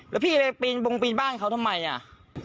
แล้วพี่เลยพินบ้านเขาทำไมอ่ะ